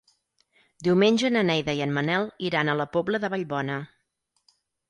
Diumenge na Neida i en Manel iran a la Pobla de Vallbona.